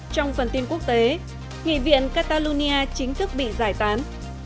trong phần tin quốc tế nghị viện catalonia chính thức bị giải tán